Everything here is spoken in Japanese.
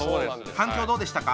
反響どうでしたか？